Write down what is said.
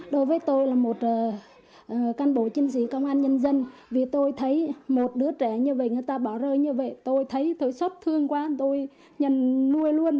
đối với tôi là một cán bộ chiến sĩ công an nhân dân vì tôi thấy một đứa trẻ như vậy người ta bỏ rơi như vậy tôi thấy tôi xuất thương quá tôi nhận nuôi luôn